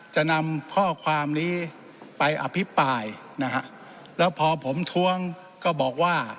จะนำข้อความนี้ไปอภิปรายนะฮะแล้วพอผมท้วงก็บอกว่า